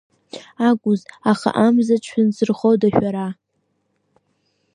Акәыз, аха Амзаҿ шәынзырхода шәара!